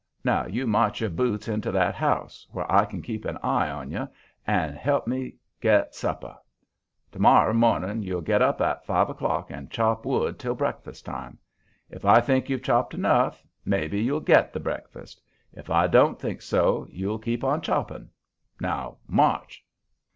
Now, you march your boots into that house, where I can keep an eye on you, and help me get supper. To morrer morning you'll get up at five o'clock and chop wood till breakfast time. If I think you've chopped enough, maybe you'll get the breakfast. If I don't think so you'll keep on chopping. Now, march!"